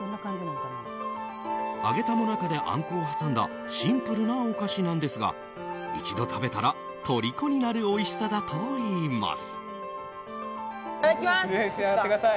揚げた最中であんこを挟んだシンプルなお菓子なんですが一度食べたら、とりこになるおいしさだといいます。